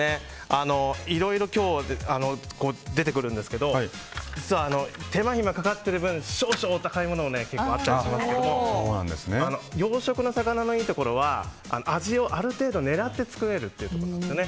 いろいろ今日出てくるんですけど実は、手間暇かかっている分少々お高いものもあったりしますけど養殖の魚のいいところは味をある程度狙って作れるところですよね。